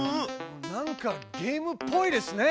なんかゲームっぽいですね。